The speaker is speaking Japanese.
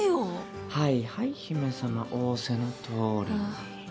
はいはい姫様仰せのとおりに。